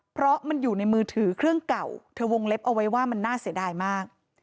เพราะมันอยู่ในมือถือเครื่องเก่าเธอวงเล็บเอาไว้ว่ามันน่าเสียดายมาก